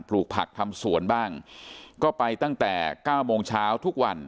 ลูกผักทำสวนบ้างก็ไปตั้งแต่เก้าโมงเช้าทุกวัน